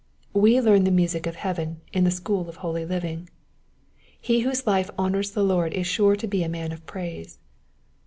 We lekrn the music of heaven m the school of holy living. He whose life honours the Lord is sure to be a man of praise.